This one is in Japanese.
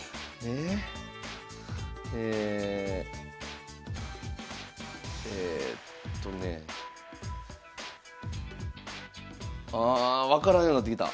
ええっとねあ分からんようなってきた。